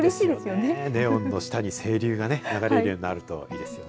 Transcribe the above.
ネオンの下に清流が流れるようになるといいですよね。